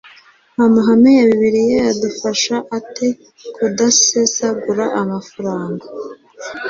Amahame ya Bibiliya yadufasha ate kudasesagura amafaranga?